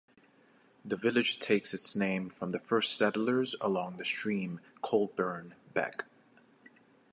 The village takes its name from the first settlers along the stream Colburn Beck.